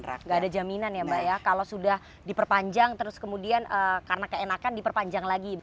tidak ada jaminan ya mbak ya kalau sudah diperpanjang terus kemudian karena keenakan diperpanjang lagi